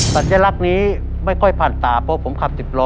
สัญลักษณ์นี้ไม่ค่อยผ่านตาเพราะผมขับ๑๐ล้อ